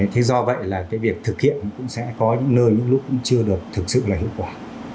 thế do vậy là cái việc thực hiện cũng sẽ có những nơi những lúc cũng chưa được thực sự là hiệu quả